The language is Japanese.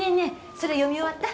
それ読み終わった？